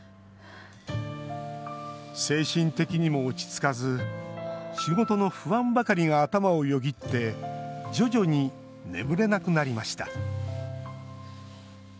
精神的にも落ち着かず仕事の不安ばかりが頭をよぎって徐々に眠れなくなりました。